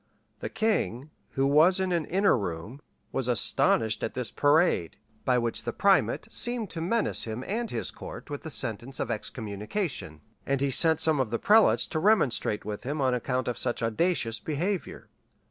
[*] The king, who was in an inner room, was astonished at this parade, by which the primate seemed to menace him and his court with the sentence of excommunication; and he sent some of the prelates to remonstrate with him on account of such audacious behavior.